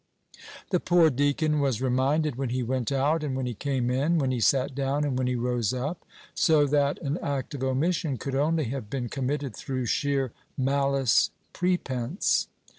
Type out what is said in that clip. The poor deacon was reminded when he went out and when he came in, when he sat down and when he rose up, so that an act of omission could only have been committed through sheer malice prepense.